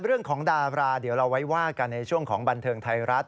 เรื่องของดาราเดี๋ยวเราไว้ว่ากันในช่วงของบันเทิงไทยรัฐ